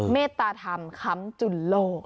เมตตาทำคำจุลโลก